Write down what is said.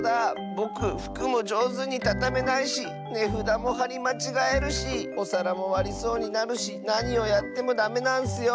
ぼくふくもじょうずにたためないしねふだもはりまちがえるしおさらもわりそうになるしなにをやってもダメなんッスよ！